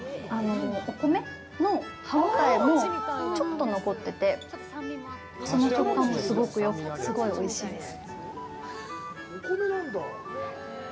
お米の歯応えもちょっと残っててその食感もすごくよくてすごいおいしいです。